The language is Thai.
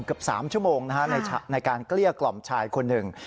เกือบ๓ชั่วโมงในการเกลี้ยกล่อมชายคนหนึ่ง